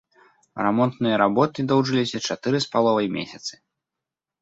Рамонтныя работы доўжыліся чатыры з паловай месяцы.